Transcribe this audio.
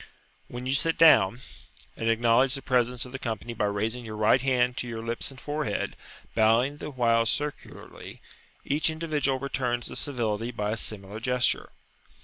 Then you sit down, and acknowledge the presence of the company by raising your right hand to your lips and forehead, bowing the while circularly; each individual returns the civility by a similar gesture.